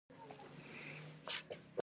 دا د ماموریت په دریمه میاشت کې یې ولیکل.